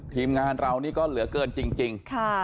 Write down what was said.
ทีมงานเรานี่ก็เหลือเกินจริง